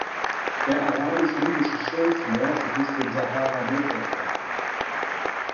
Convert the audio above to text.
Der Arabisch-Nubische Schild näherte sich dem Sahara-Metakraton.